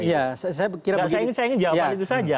saya ingin jawaban itu saja